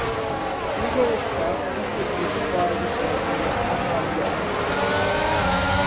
Siga os passos a seguir para deixar sua avaliação: